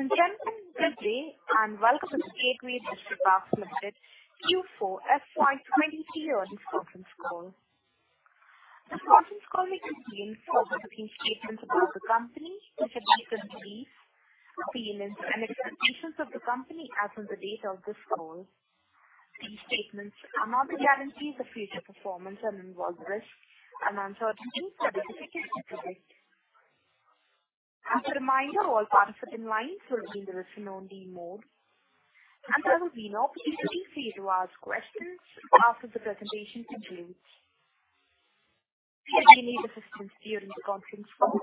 Ladies and gentlemen, good day, welcome to the Gateway Distriparks Limited Q4 FY 2023 earnings conference call. This conference call may contain forward-looking statements about the company, which are based on beliefs, feelings, and expectations of the company as on the date of this call. These statements are not guarantees of future performance and involve risks and uncertainties that are difficult to predict. As a reminder, all participants in lines will be in listen-only mode, there will be an opportunity for you to ask questions after the presentation concludes. If you need assistance during the conference call,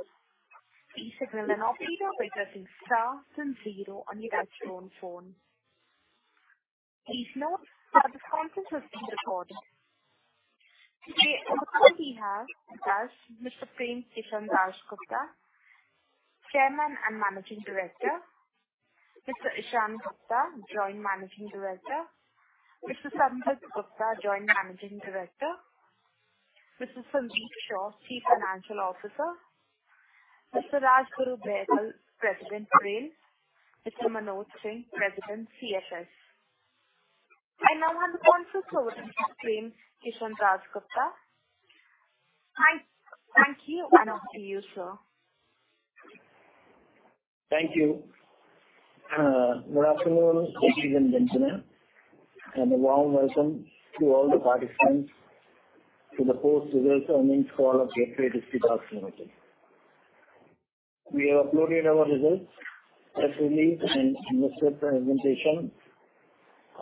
please signal an operator by pressing star zero on your touch-tone phone. Please note that this conference is being recorded. Today, on the call we have with us Mr. Prem Kishan Dass Gupta, Chairman and Managing Director; Mr. Samvid Gupta, Joint Managing Director; Mr. Samvid Gupta, Joint Managing Director; Mr. Sandeep Shah, Chief Financial Officer; Mr. Rajguru Behgal, President, Rail; Mr. Manoj Singh, President, CFS. I now hand the conference over to Mr. Prem Kishan Dass Gupta. Thank you, over to you, sir. Thank you. Good afternoon, ladies and gentlemen, a warm welcome to all the participants to the post-results earnings call of Gateway Distriparks Limited. We have uploaded our results, press release, investor presentation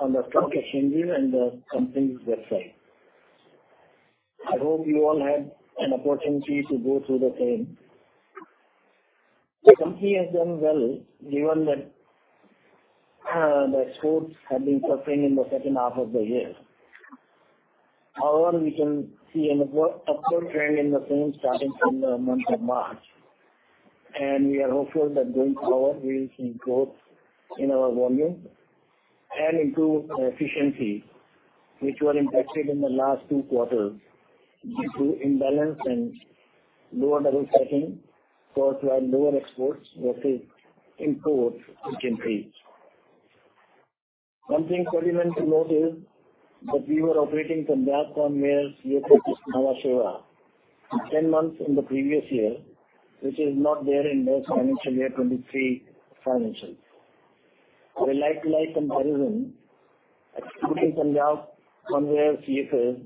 on the stock exchange and the company's website. I hope you all had an opportunity to go through the same. The company has done well given that the exports have been suffering in the second half of the year. We can see an upward trend in the same starting from the month of March, we are hopeful that going forward we will see growth in our volume and improve efficiency, which were impacted in the last two quarters due to imbalance and lower level setting for our lower exports that will improve in Q3. One thing relevant to note is that we were operating from Punjab Conware CFS, Nhava Sheva for 10 months in the previous year, which is not there in this financial year FY 2023 financials. The like-to-like comparison excluding from Punjab Conware CFS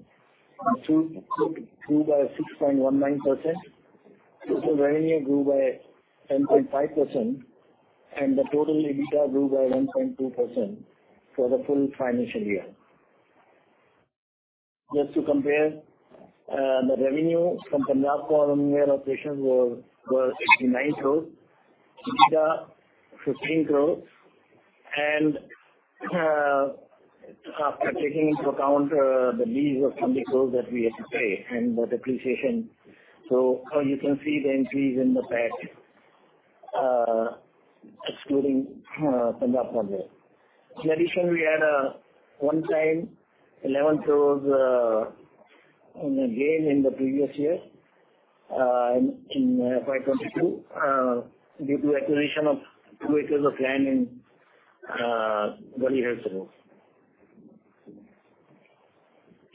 grew by 6.19%, total revenue grew by 10.5%, the total EBITDA grew by 1.2% for the full financial year. Just to compare, the revenue from Punjab Conware operations were 89 crores, EBITDA 15 crores, after taking into account the lease of 30 crores that we had to pay and the depreciation. You can see the increase in the PAT excluding Punjab Conware. In addition, we had a one-time 11 crores gain in the previous year, in FY 2022, due to acquisition of two acres of land in Ludhiana zone.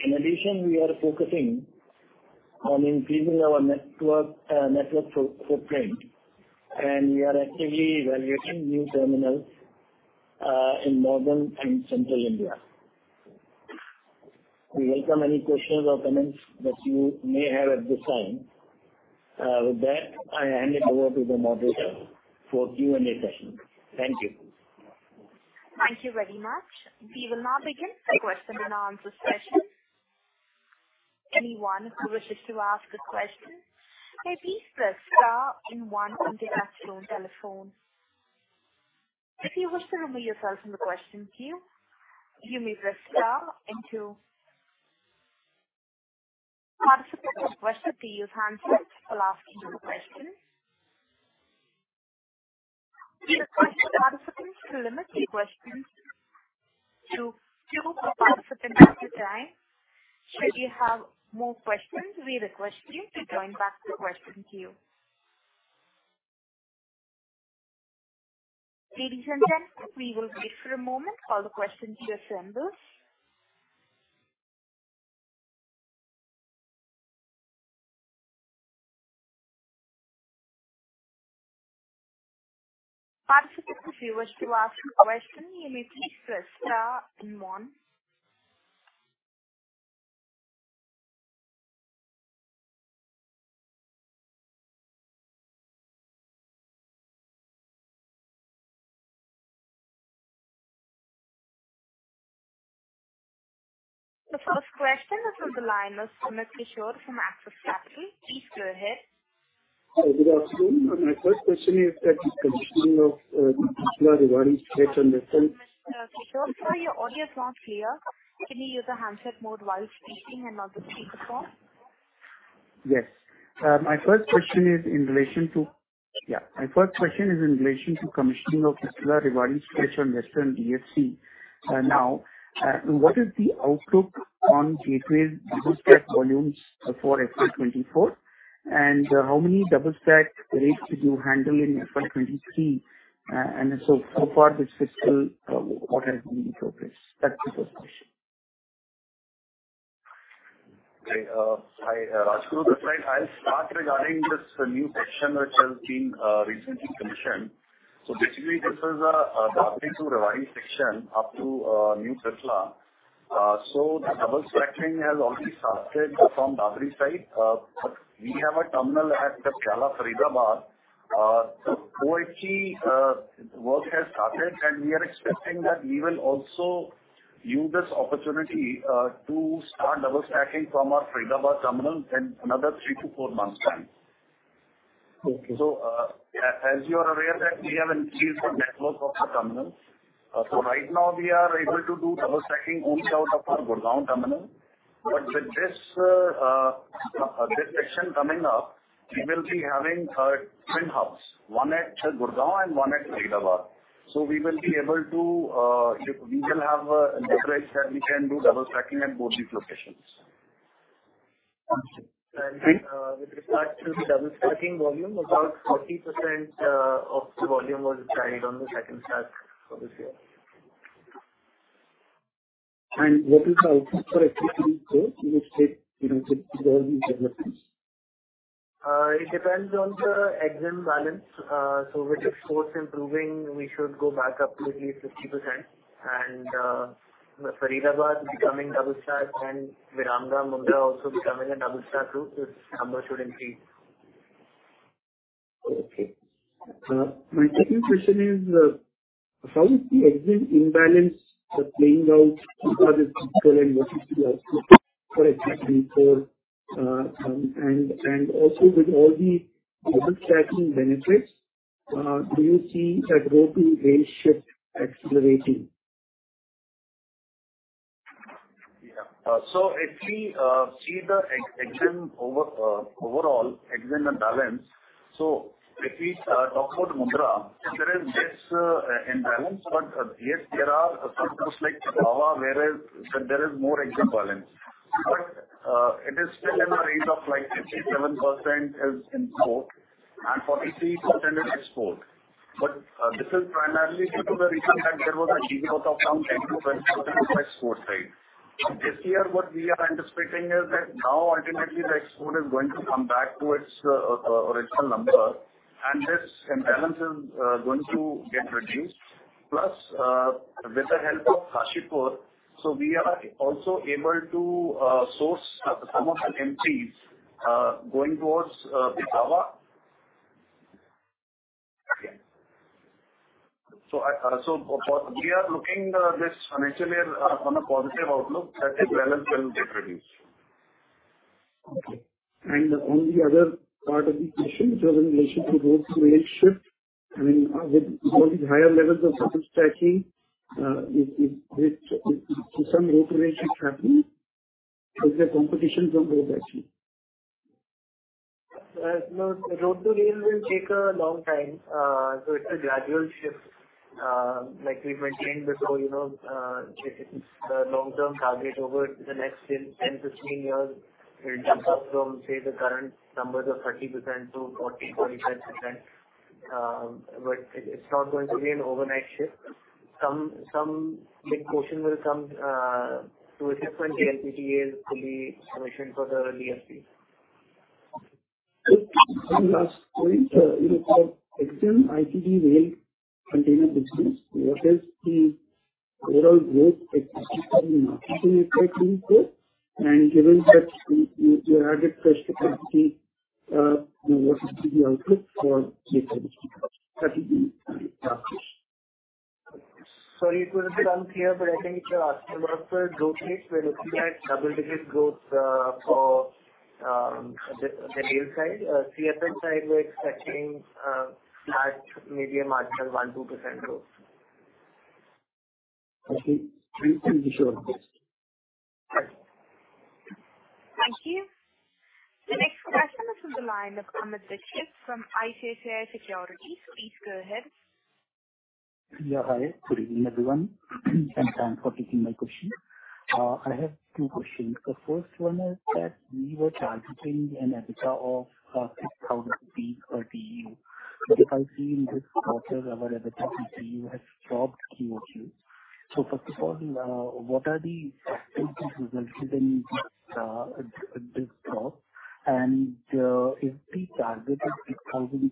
We are focusing on increasing our network footprint, and we are actively evaluating new terminals in northern and central India. We welcome any questions or comments that you may have at this time. With that, I hand it over to the moderator for Q&A session. Thank you. Thank you very much. We will now begin the question and answer session. Anyone who wishes to ask a question may please press star 1 on their touch-tone telephone. If you wish to remove yourself from the question queue, you may press star 2. Participants with questions, please use handsets for asking your questions. We request participants to limit the questions to 2 participants at a time. Should you have more questions, we request you to join back the question queue. Ladies and gentlemen, we will wait for a moment for the questions to assemble. Participants, if you wish to ask a question, you may please press star 1. The first question is from the line of Mr Kishore from Axis Capital. Please go ahead. Good afternoon. My first question is that the commissioning of- Mr Kishore, your audio is not clear. Can you use the handset mode while speaking and not the speakerphone? Yes. My first question is in relation to commissioning of Kishangarh-Rewari stretch on Western DFC. What is the outlook on Gateway's double stacking volumes for FY 2024, and how many double stacking rakes did you handle in FY 2023? So far this fiscal, what has been the focus? That's the first question. Hi, Rajguru Behgal. I'll start regarding this new section which has been recently commissioned. Basically, this is a Dadri to Rewari section up to New Ateli. The double stacking has already started from Dadri side. We have a terminal at Piyala, Faridabad. OHE work has started, and we are expecting that we will also use this opportunity, to start double stacking from our Faridabad terminal in another three to four months' time. Okay. As you are aware that we have increased the network of the terminals. Right now we are able to do double stacking also out of our Gurgaon terminal. With this section coming up, we will be having twin hubs, one at Gurgaon and one at Faridabad. We will have a network that we can do double stacking at both these locations. Understood. With regards to the double stacking volume, about 40% of the volume was carried on the second stack for this year. What is the outlook for FY 2024 in which state, with all these developments? It depends on the exim balance. With imports improving, we should go back up to at least 50%. Faridabad becoming double stacked and Viramgam Mundra also becoming a double stack route, this number should increase. Okay. My second question is, how is the exim imbalance playing out in other ports and what is the outlook for FY 2024? Also with all the double stacking benefits, do you see that road to rail shift accelerating? Yeah. If we see the overall exim imbalance. If we talk about Mundra, there is this imbalance, yes, there are ports like Nhava where there is more exim balance. It is still in a range of like 57% is import and 43% is export. This is primarily due to the reason that there was a decrease of some 10%-20% in export side. This year, what we are anticipating is that now ultimately the export is going to come back to its original number and this imbalance is going to get reduced. With the help of Kashipur, we are also able to source some of the empties, going towards Nhava. We are looking this financial year on a positive outlook that this balance will get reduced. On the other part of the question, which was in relation to road to rail shift. I mean, with all these higher levels of double stacking, if some road to rail shift happens, is there competition from road actually? No, road to rail will take a long time. It's a gradual shift. Like we've maintained before, the long-term target over the next 10 to 15 years will jump up from, say, the current numbers of 30% to 40, 45%. It's not going to be an overnight shift. Some big portion will come to a shift when DFCs will be commissioned for the DFCs. One last point. For exim ICD rail container business, what is the overall growth expected in FY 2024? Given that you added fresh capacity, what is the outlook for CFO? That would be my last question. Sorry if it was unclear, but I think you're asking about growth rates. We're looking at double-digit growth for the rail side. CFS side, we're expecting flat, maybe a marginal one, 2% growth. Okay. Thank you. Sure. Thank you. The next question is from the line of Amit Dixit from ICICI Securities. Please go ahead. Good evening, everyone, thanks for taking my question. I have two questions. The first one is that we were targeting an EBITDA of 6,000 rupees per TEU. If I see in this quarter, our EBITDA per TEU has dropped QOQ. First of all, what are the factors resulting in this drop? Is the target of 6,000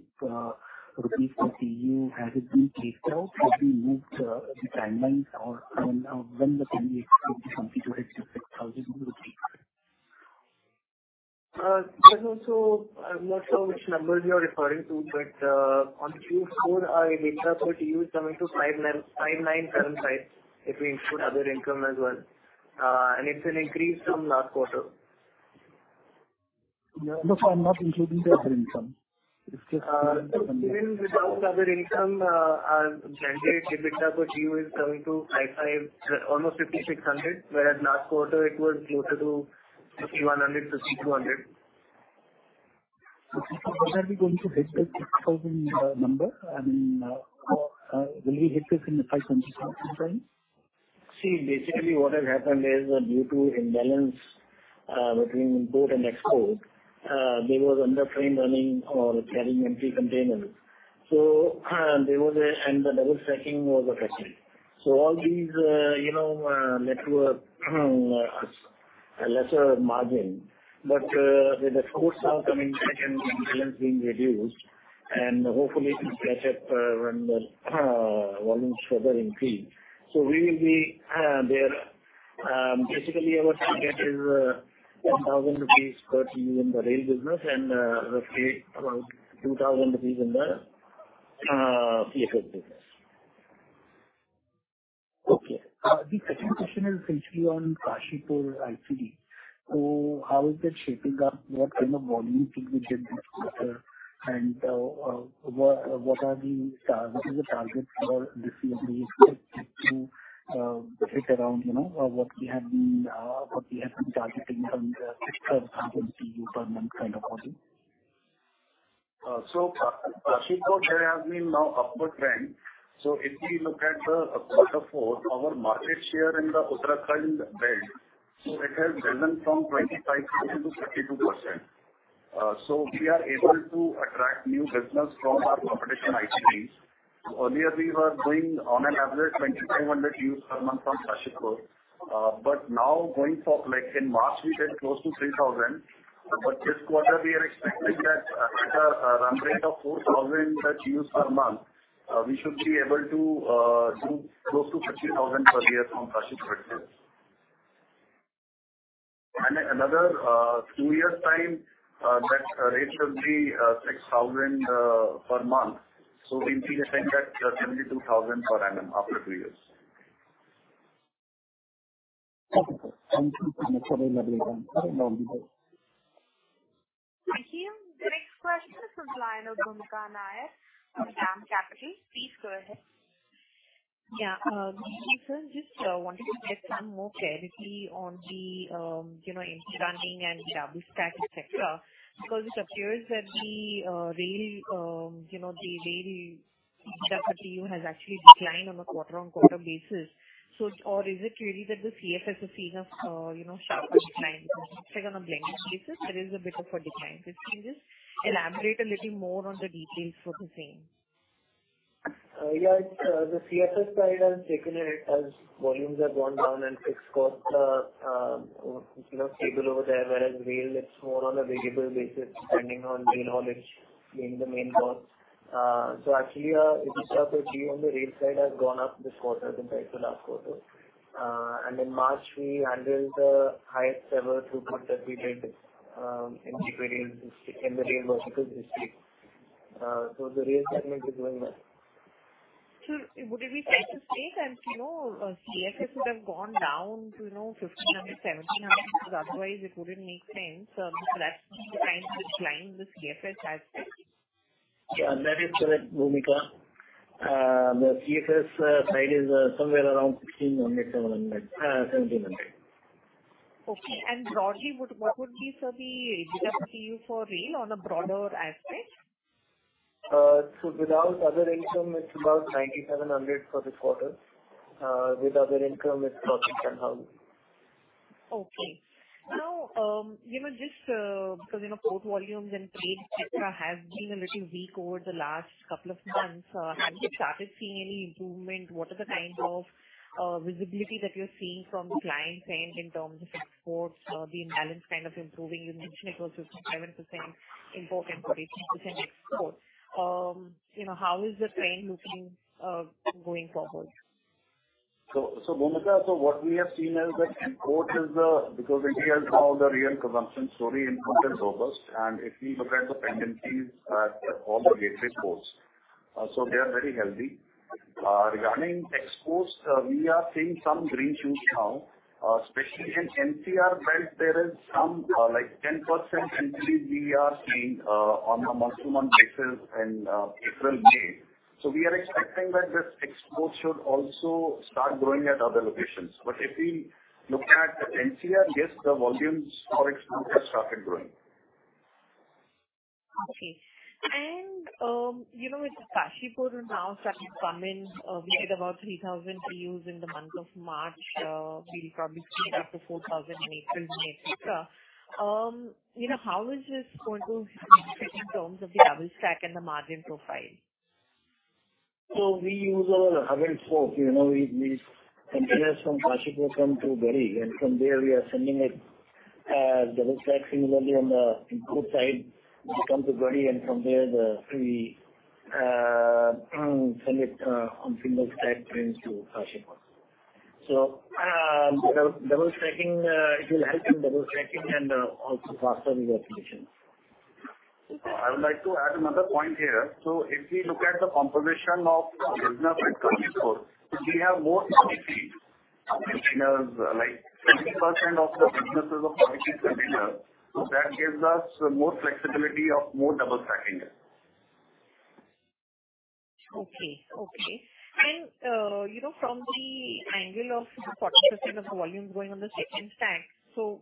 rupees per TEU, has it been kicked out? Have we moved the timelines, or when the company expects to complete INR 6,000? I'm not sure which numbers you're referring to. On Q4, our EBITDA per TEU is coming to 5,975, if we include other income as well. It's an increase from last quarter. No, I'm not including the other income. Even without other income, our blended EBITDA per TEU is coming to almost 5,600, whereas last quarter it was closer to 5,100, 5,200. When are we going to hit that 6,000 number? I mean, will we hit this in the five months or sometime? Basically what has happened is due to imbalance between import and export, there was under train running or carrying empty containers. The double stacking was affected. All these network lesser margin. With the ports now coming back and the imbalance being reduced, and hopefully it will catch up when the volumes further increase. We will be there. Basically, our target is 1,000 rupees per TEU in the rail business and roughly around 2,000 rupees in the CFS business. The second question is essentially on Kashipur ICD. How is that shaping up? What kind of volumes we could get this quarter? What is the target for this year based to the fit around what we have been targeting from the fixed term point of view per month kind of volume. Kashipur, there has been now upward trend. If we look at the quarter four, our market share in the Uttarakhand belt, it has risen from 25% to 32%. We are able to attract new business from our competition ICDs. Earlier, we were doing on an average 2,500 TEUs per month from Kashipur, but now going for like in March, we did close to 3,000. This quarter, we are expecting that at a run rate of 4,000 TEUs per month, we should be able to do close to 50,000 per year from Kashipur side. And another two years' time, that rate will be 6,000 per month. We increase it at 72,000 per annum after three years. Sir. Thank you so much for the lovely answer. The next question is from Bhoomika Nair of DAM Capital. Please go ahead. Yeah. Hey, sir, just wanted to get some more clarity on the empty running and double stacking, et cetera, because it appears that the rail TEU has actually declined on a quarter-on-quarter basis. Or is it really that the CFS is seeing a sharper decline on a blended basis, there is a bit of a decline. Could you just elaborate a little more on the details for the same? Yeah. The CFS side has taken a hit as volumes have gone down and fixed costs are stable over there, whereas rail, it's more on a variable basis depending on rail haulage being the main cost. Actually, if you start to see on the rail side has gone up this quarter compared to last quarter. In March, we handled the highest ever throughput that we did in the rail vertical this week. The rail segment is doing well. Sir, would it be fair to state that CFS would have gone down to 1,500, 1,700, because otherwise it wouldn't make sense. That's the kind of decline the CFS has faced. Yeah, that is correct, Bhoomika. The CFS side is somewhere around 1,500, 1,700. Okay. Broadly, what would be, sir, the TEU for rail on a broader aspect? Without other income, it's about 9,700 for this quarter. With other income, it's 10,500. Okay. Now, just because both volumes and trades, et cetera, have been a little weak over the last couple of months, have you started seeing any improvement? What is the kind of visibility that you're seeing from the client side in terms of exports, the imbalance kind of improving? You mentioned it was 57% import and 43% export. How is the trend looking going forward? Bhoomika, so what we have seen is that import is the-- because India is now the real consumption story import is robust, and if we look at the pendencies at all the gateway ports, so they are very healthy. Regarding exports, we are seeing some green shoots now, especially in NCR belt, there is some 10% increase we are seeing on a month-to-month basis in April, May. We are expecting that this export should also start growing at other locations. If we look at NCR, yes, the volumes for export have started growing. Okay. With Kashipur now starting to come in, we had about 3,000 TEUs in the month of March. We'll probably scale up to 4,000 in April, May, et cetera. How is this going to fit in terms of the double stack and the margin profile? We use our available slot. These containers from Kashipur come to Rewari, and from there we are sending it as double stack similarly on the import side, it comes to Rewari, and from there we send it on single stack trains to Kashipur. It will help in double stacking and also faster the operations. I would like to add another point here. If we look at the composition of business at Kashipur, we have more 40 feet containers, like 70% of the business is of 40 feet containers. That gives us more flexibility of more double stacking there. Okay. From the angle of 40% of the volume going on the second stack,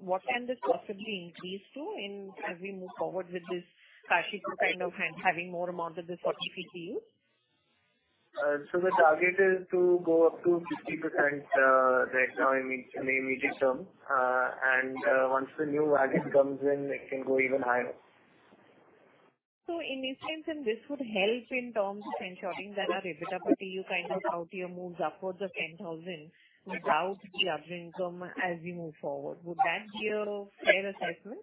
what can this possibly increase to as we move forward with this Kashipur kind of having more amount of this 40 feet TEUs? The target is to go up to 50% right now in the immediate term. Once the new wagon comes in, it can go even higher. In instance, and this would help in terms of ensuring that our EBITDA per TEU kind of out year moves upwards of 10,000 without the other income as we move forward. Would that be a fair assessment?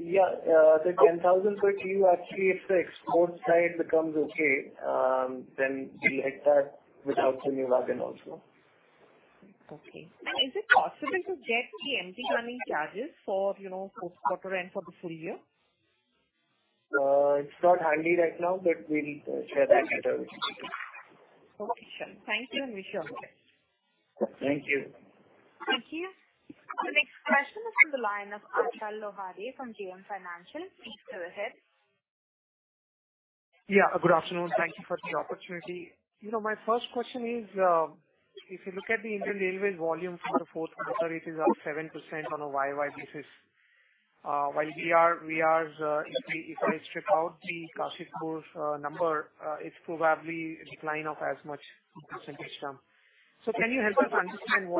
Yeah. The 10,000 per TEU, actually, if the export side becomes okay, then we hit that without the new wagon also. Okay. Is it possible to get the empty running charges for this quarter and for the full year? It's not handy right now, but we'll share that data with you. Okay, sure. Thank you, and wish you all the best. Thank you. Thank you. The next question is from the line of Achal Lohani from JM Financial. Please go ahead. Yeah. Good afternoon. Thank you for the opportunity. My first question is, if you look at the Indian Railways volume for the fourth quarter, it is up 7% on a YY basis. While we are, if I strip out the Kashipur number, it's probably a decline of as much percentage term. Can you help us understand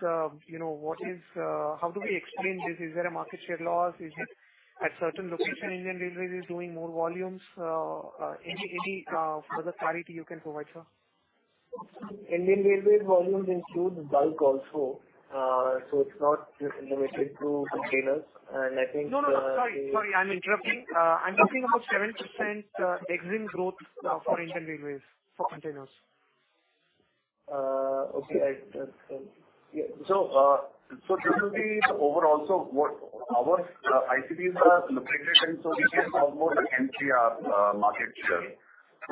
how do we explain this? Is there a market share loss? Is it at certain location Indian Railways is doing more volumes? Any further clarity you can provide, sir. Indian Railways volumes include bulk also. It's not just limited to containers. I think- No, sorry. I'm interrupting. I'm talking about 7% exim growth for Indian Railways for containers. Okay. This will be over also what our ICDs are located in. We can talk more like NCR market share.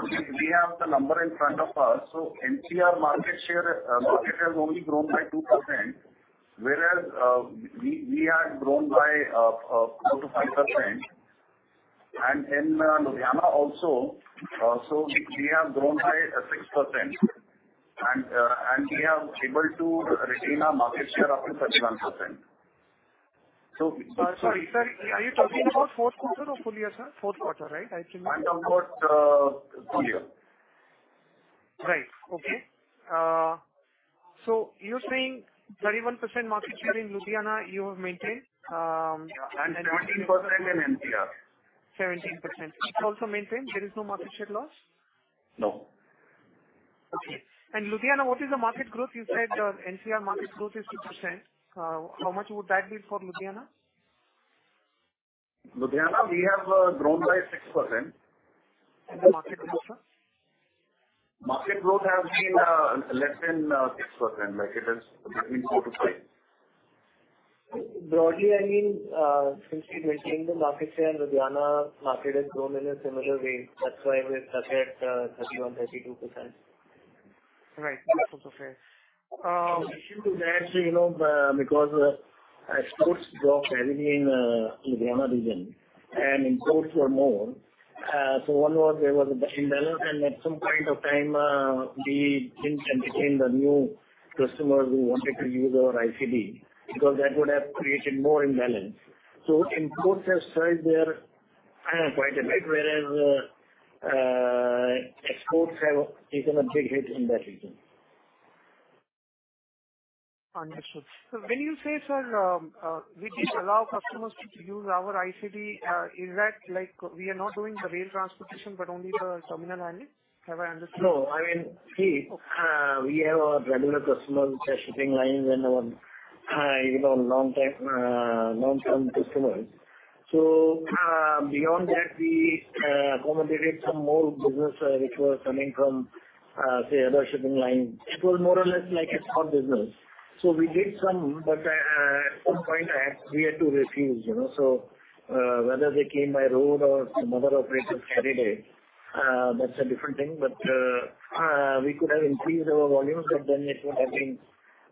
We have the number in front of us. NCR market share, market has only grown by 2%, whereas we had grown by 4%-5%. In Ludhiana also, we have grown by 6%, and we are able to retain our market share of 31%. Sorry, sir, are you talking about fourth quarter or full year, sir? Fourth quarter, right? I assume. I'm talking about full year. Right. Okay. You're saying 31% market share in Ludhiana you have maintained. Yeah. 17% in NCR. 17%. It's also maintained. There is no market share loss? No. Ludhiana, what is the market growth? You said NCR market growth is 2%. How much would that be for Ludhiana? Ludhiana, we have grown by 6%. The market growth, sir? Market growth has been less than 6%, like it is between four to five. Broadly, I mean, since we maintain the market share, Ludhiana market has grown in a similar way. That's why we're stuck at 31, 32%. Right. That's okay. Actually, because exports dropped heavily in Ludhiana region and imports were more. One was there was an imbalance, and at some point of time, we didn't entertain the new customers who wanted to use our ICD because that would have created more imbalance. Imports have surged there quite a bit, whereas exports have taken a big hit in that region. Understood. When you say, sir, we didn't allow customers to use our ICD, is that like we are not doing the rail transportation but only the terminal handling? Have I understood? No. I mean, see, we have our regular customers, our shipping lines, and our long-term customers. Beyond that, we accommodated some more business which was coming from, say, other shipping lines. It was more or less like a spot business. We did some, but at some point we had to refuse. Whether they came by road or some other operator carried it, that's a different thing. We could have increased our volumes, but then it would have been,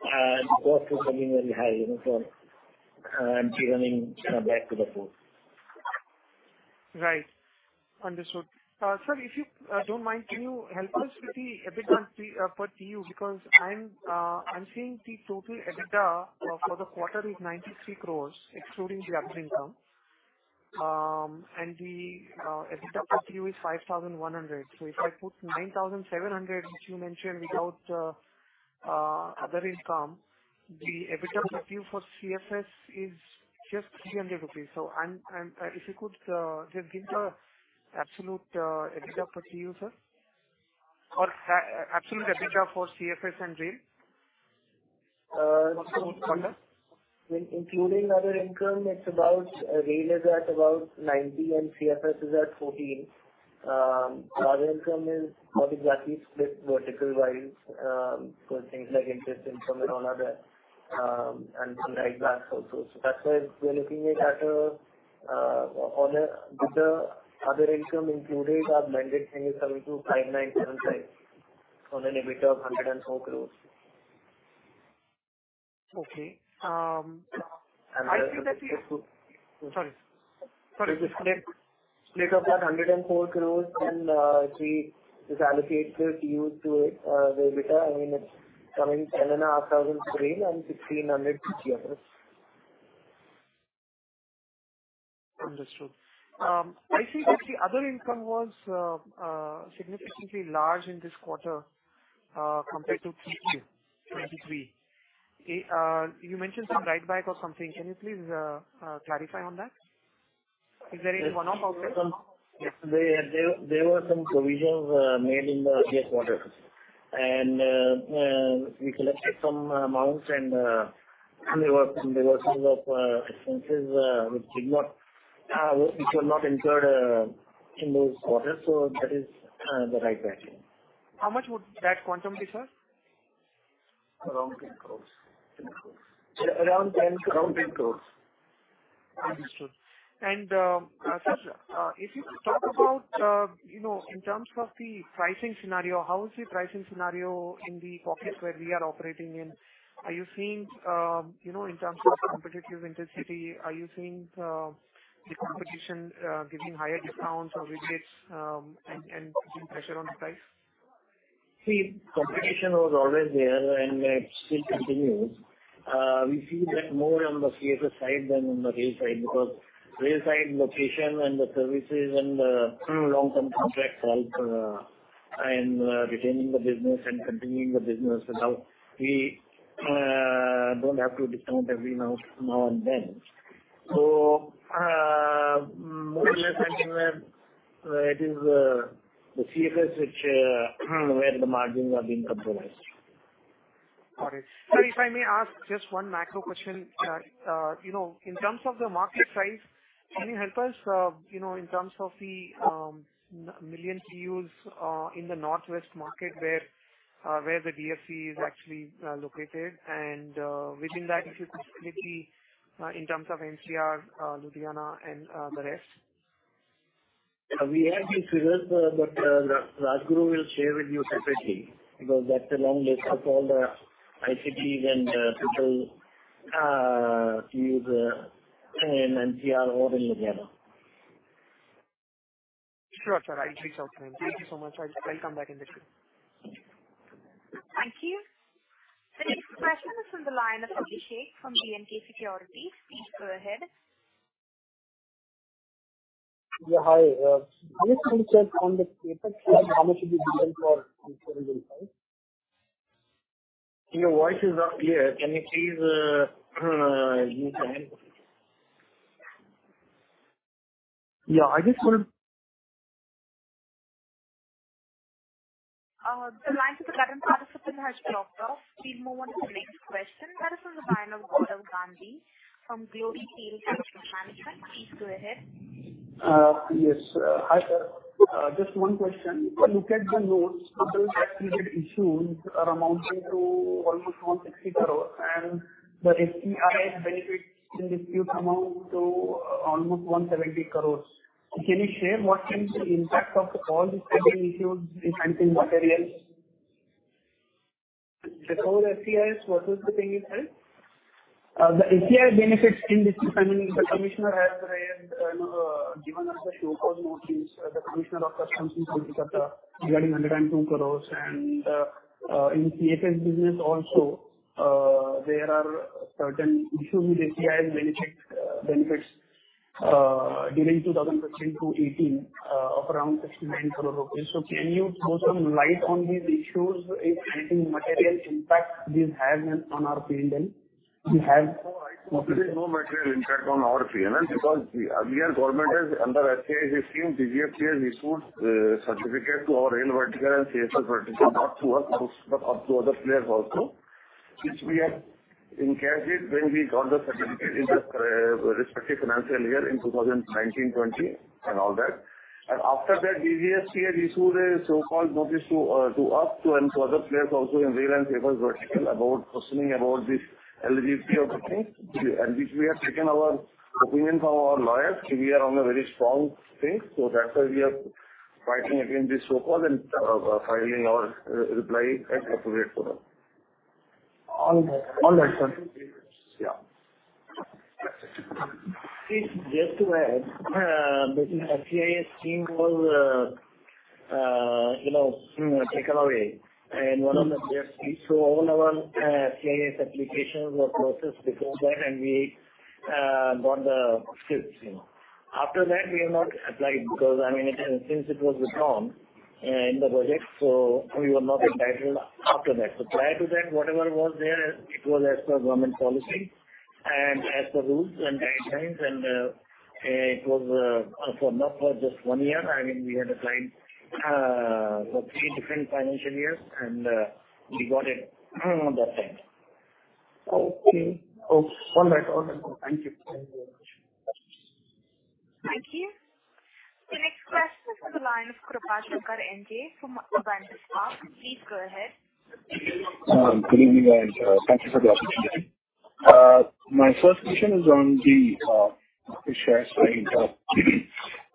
the cost was something very high for empty running back to the port. Right. Understood. Sir, if you don't mind, can you help us with the EBITDA per TEU? I'm seeing the total EBITDA for the quarter is 93 crores, excluding the other income. The EBITDA per TEU is 5,100. If I put 9,700, which you mentioned without other income, the EBITDA per TEU for CFS is just 300 rupees. If you could just give the absolute EBITDA per TEU, sir, or absolute EBITDA for CFS and Rail. Once again. Including other income, Rail is at about 90 and CFS is at 14. Other income is not exactly split vertical-wise. Things like interest income and all other, and some write-backs also. That's why we are looking it at, with the other income included, our blended thing is coming to 5,975 on an EBITDA of 104 crores. Okay. And the split- Sorry. Split of that INR 104 crores, and if we just allocate the TEUs to EBITDA, I mean, it's coming 10,500 to rail and 1,600 to CFS. Understood. I see that the other income was significantly large in this quarter compared to 2023. You mentioned some write back or something. Can you please clarify on that? Is there any one-off effect? There were some provisions made in the previous quarter, and we collected some amounts and there were some reversals of expenses which were not incurred in those quarters. That is the write back. How much would that quantum be, sir? Around INR 10 crores. Understood. Sir, if you could talk about in terms of the pricing scenario, how is the pricing scenario in the pockets where we are operating in? In terms of competitive intensity, are you seeing the competition giving higher discounts or rebates and putting pressure on the price? See, competition was always there and it still continues. We see that more on the CFS side than on the rail side, because rail side location and the services and the long-term contracts help in retaining the business and continuing the business without we don't have to discount every now and then. More or less, it is the CFS which where the margins are being compromised. Got it. Sir, if I may ask just one macro question. In terms of the market size, can you help us in terms of the million CUs in the Northwest market where the DFC is actually located, and within that, if you could split the in terms of NCR, Ludhiana, and the rest? We have these figures, Rajguru will share with you separately, because that's a long list of all the ICDs and people use NCR or in Ludhiana. Sure, sir. I'll reach out to you. Thank you so much. I'll come back in the queue. Thank you. The next question is from the line of Abhishek from BNP Paribas. Please go ahead. Yeah, hi. I just wanted to check on the CapEx side how much will be given for? Your voice is not clear. Can you please use phone? Yeah, I just The line with Abhishek has dropped off. We will move on to the next question. That is from the line of Gaurav Gandhi from Glory Wealth Management. Please go ahead. Yes. Hi, sir. Just one question. If you look at the notes, those that we had issued are amounting to almost 160 crore and the MEIS benefits in dispute amount to almost 170 crore. Can you share what can be the impact of all this that we issued, if anything material? Before FTRs, what was the thing you said? The MEIS benefits in dispute, I mean, the Commissioner has given us a so-called notice, the Commissioner of Customs, Mumbai Customs, regarding INR 122 crore and in CFS business also, there are certain issued MEIS benefits during 2017 to 2018 of around 69 crore rupees. Can you throw some light on these issues, if anything material impact this has on our P&L? No, there is no material impact on our P&L because here government has under FTR 15, DGFT has issued certificate to our rail vertical and CFS vertical, not to us, but up to other players also, which we have encashed it when we got the certificate in the respective financial year in 2019, 2020, and all that. After that, DGFT issued a so-called notice to us and to other players also in rail and CFS vertical about questioning about this eligibility of the thing, which we have taken our opinions from our lawyers. We are on a very strong thing. That's why we are fighting against this so-called and filing our reply at appropriate forum. On that front. Yeah. See, just to add, between MEIS scheme was taken away and all our MEIS applications were processed before that and we got the scrips. After that, we have not applied because, I mean, since it was withdrawn in the project, we were not entitled after that. Prior to that, whatever was there, it was as per government policy and as per rules and guidelines, and it was not for just one year. I mean, we had applied for three different financial years, and we got it that time. Okay. All right. Thank you. Thank you. The next question is the line of Krupashankar NJ from Gateway Distriparks. Please go ahead. Good evening, and thank you for the opportunity. My first question is on the share side.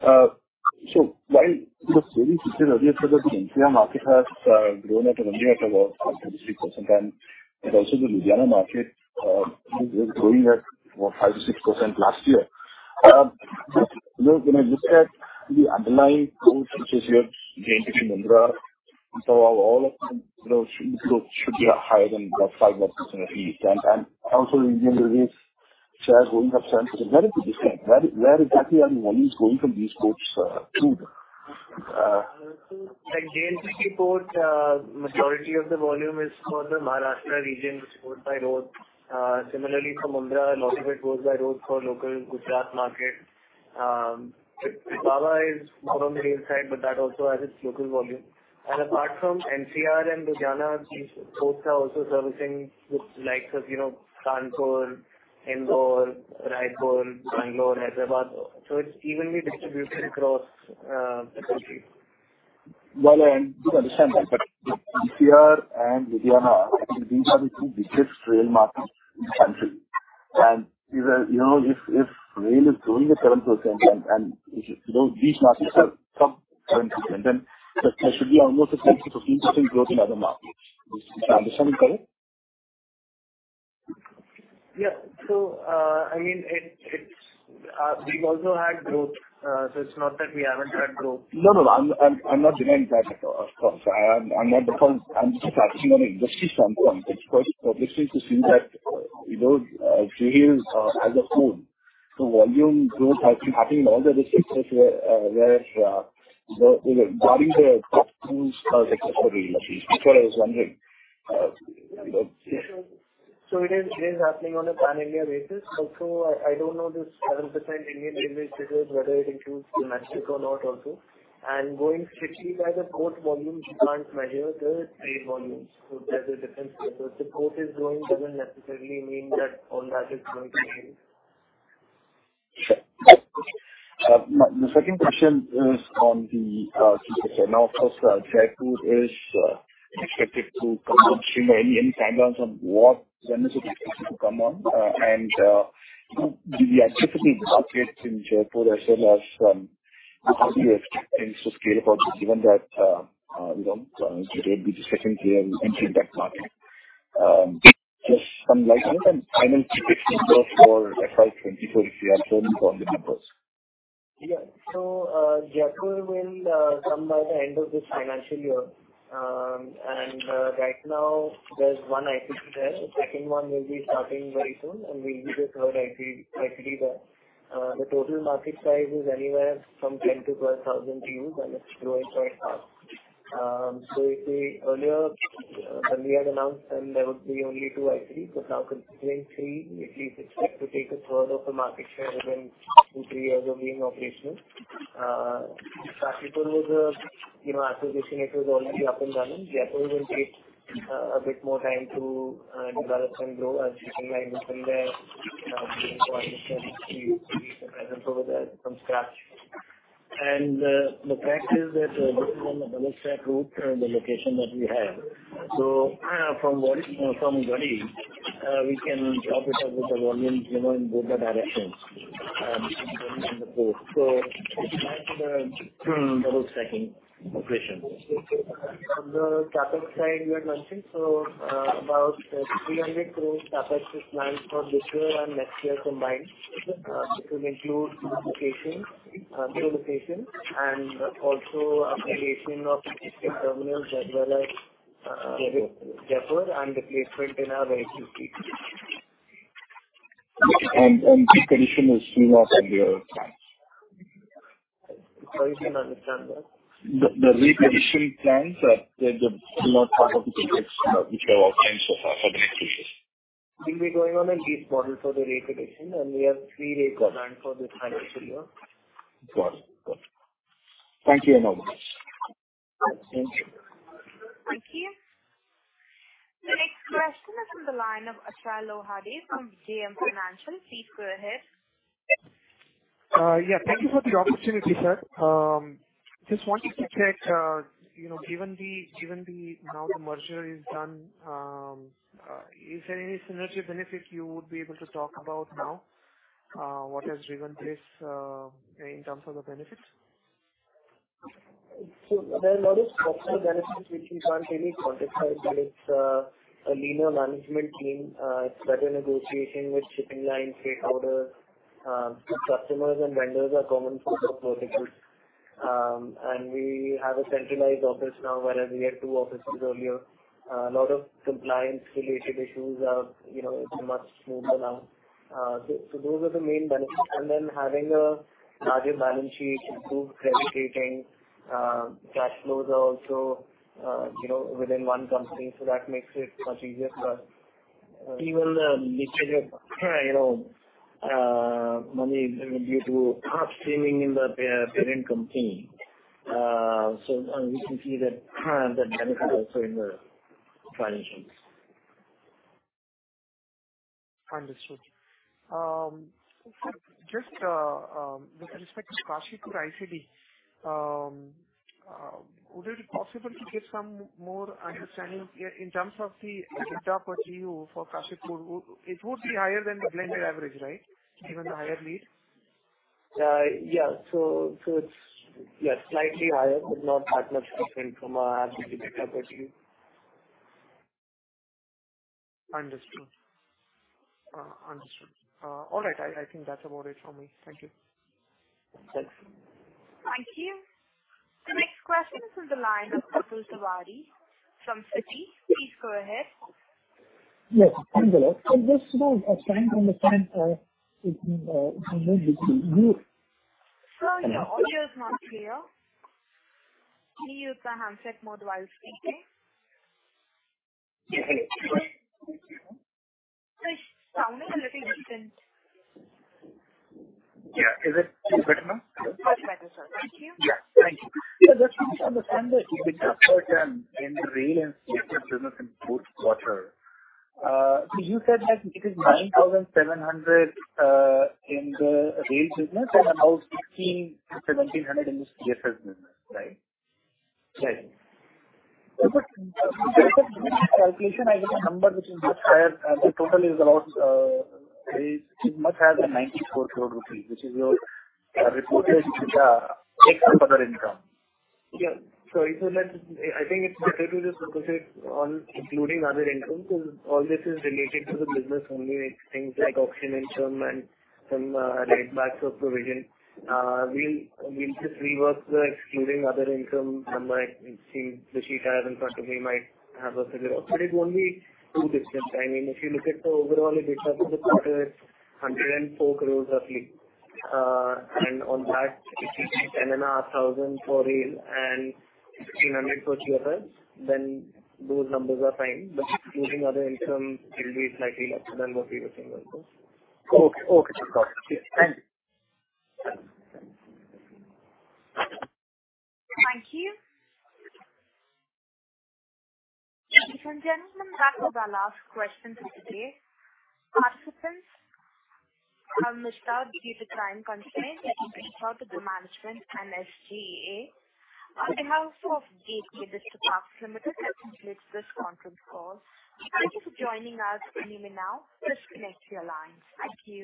While the previous fiscal year for the NCR market has grown at a run rate of about 36%, and also the Ludhiana market, it was growing at what, 5%-6% last year. When I look at the underlying growth, which is your JNPT. All of them should be higher than the 5% at least. Also Indian Railways share going up. Where exactly are the volumes going from these ports to? JNPT port, majority of the volume is for the Maharashtra region, which goes by road. Similarly, from Mundra, a lot of it goes by road for local Gujarat market. Pipava is more on the rail side, but that also has its local volume. Apart from NCR and Ludhiana, these ports are also servicing the likes of Kanpur, Indore, Raipur, Bangalore, Hyderabad. It's evenly distributed across the country. I do understand that, NCR and Ludhiana, I think these are the two biggest rail markets in the country. If rail is growing at 7% and these markets are sub 7%, then there should be almost a 10%-15% growth in other markets. Is my understanding correct? Yeah. We've also had growth, so it's not that we haven't had growth. No, I'm not denying that at all. Of course. I'm just focusing on an industry standpoint. It's quite perplexing to see that rails as a whole, the volume growth has been happening in all other sectors barring the top two sectors of rail, at least. That's what I was wondering. Sure. It is happening on a pan-India basis. Also, I don't know this 7% Indian Railways figure, whether it includes domestic or not also. Going strictly by the port volumes, you can't measure the trade volumes. There's a difference there. If the port is growing, it doesn't necessarily mean that all that is going to rail. Sure. The second question is on the 360. Of course, Jaipur is expected to come on stream. Any timelines on when is it expected to come on? The activity disparities in Jaipur as well as how do you expect things to scale for this, given that it would be the second year entering that market. Just some light on it and final 360 growth for FY 2024, if you have any, from the numbers. Yeah. Jaipur will come by the end of this financial year. Right now there's one ICD there. The second one will be starting very soon, and will be the third ICD there. The total market size is anywhere from 10,000 to 12,000 TEUs, and it's growing quite fast. Earlier when we had announced, there would be only two ICDs. Now considering three, we at least expect to take a third of the market share within two, three years of being operational. Kashipur, as you're seeing, it was already up and running. Jaipur will take a bit more time to develop and grow as shipping line mentioned there, building partnerships, we need to present over there from scratch. The fact is that this is on the double stack route, the location that we have. From Rewari, we can operate with the volumes in both the directions, both in the port. It is nice with the double stacking operation. On the CapEx side you had mentioned, about 300 crore CapEx is planned for this year and next year combined, which will include new locations and also upgradation of existing terminals as well as Jaipur and replacement in our ICDs. [inaudible] is still not on your plans. Sorry, can you understand that? The recondition plans are still not part of the CapEx which you have outlined so far for the next three years. We'll be going on a lease model for the recondition, we have three rakes planned for this financial year. Got it. Thank you, Krupashankar. Thank you. Thank you. The next question is from the line of Achal Lohani from JM Financial. Please go ahead. Yeah, thank you for the opportunity, sir. Just wanted to check, now the merger is done, is there any synergy benefit you would be able to talk about now? What has driven this in terms of the benefits? There are a lot of software benefits which we can't really quantify, but it's a leaner management team. It's better negotiation with shipping lines, freight owners. Customers and vendors are common for both the groups. We have a centralized office now, whereas we had two offices earlier. A lot of compliance related issues are much smoother now. Those are the main benefits. Then having a larger balance sheet improves credit rating. Cash flows are also within one company, so that makes it much easier for us. Even the usage of money due to cost saving in the parent company. We can see that benefit also in the financials. Understood. Sir, just with respect to Kashipur ICD, would it be possible to get some more understanding in terms of the EBITDA per TEU for Kashipur? It would be higher than the blended average, right? Given the higher rates. Yeah. It's slightly higher, but not that much different from our EBITDA per TEU. Understood. All right. I think that's about it from me. Thank you. Thanks. Thank you. The next question is from the line of Atul Tiwari from Citi. Please go ahead. Yes. Hello. Sir, your audio is not clear. Can you use the handset mode while speaking? Sir, it's sounding a little distant. Yeah. Is it better now? Much better, sir. Thank you. Thank you. Just to understand the EBITDA in the rail and CFS business in Q4. You said that it is 9,700 in the rail business and about 1,500-1,700 in the CFS business, right? Right. When I do the calculation, I get a number which is much higher. The total is around, it must have INR 94 crore, which is your reported EBITDA, except other income. I think it is better to just focus it on including other income because all this is related to the business, only things like auction income and some write-backs of provision. We will just rework the excluding other income number. It seems the sheet I have in front of me might have those figures. It will not be too different. If you look at the overall EBITDA for the quarter, it is INR 104 crore roughly. On that, if you take 10,500 for rail and 1,600 for CFS, then those numbers are fine. Including other income, it will be slightly lesser than what we were saying right now. Okay. Got it. Thank you. Thank you. Ladies and gentlemen, that was our last question for today. Participants, I must now due to time constraints on behalf of the management and SGA, on behalf also of Gateway Distriparks Limited, I conclude this conference call. Thank you for joining us. You may now disconnect your lines. Thank you.